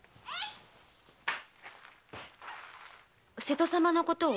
瀬戸様のことを？